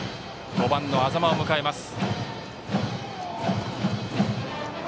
５番の安座間を迎えます。